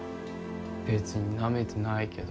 別になめてないけど